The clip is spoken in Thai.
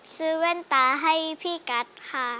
ซื้อแว่นตาให้พี่กัสค่ะ